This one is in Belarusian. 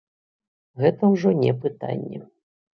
Гэта ўжо не пытанне.